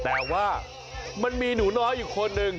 แต่ว่ามันมีหนูน้อยอยู่คนหนึ่ง